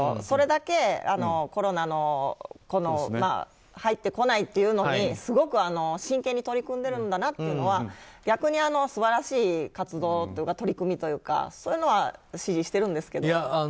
それだけコロナの入ってこないというのにすごく真剣に取り組んでるんだなというのは逆に素晴らしい活動というか取り組みというかそういうのは支持してるんですけどね。